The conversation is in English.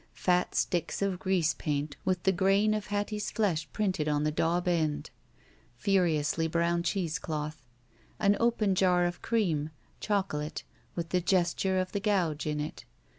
Pat sticks of grease paint with the grain of Hattie's flesh printed on the daub end. Puriously brown cheesecloth. An open jar of cream (chocolate) with the gesture of the gouge in it.